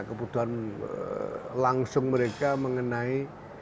kebutuhan langsung mereka mengenai